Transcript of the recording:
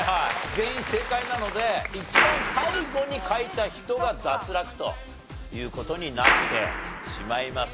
全員正解なので一番最後に書いた人が脱落という事になってしまいます。